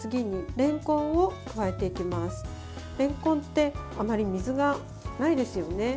れんこんってあまり水がないですよね。